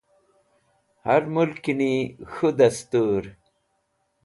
Har mulkni k̃hũ dẽstur.